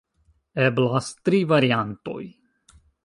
Eblas tri variantoj.